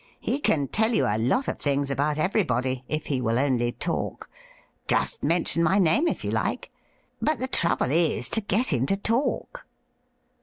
He can tell you a lot of things about everybody, if he will only talk — just mention my name, if you like — ^but the trouble is to get him to talk.'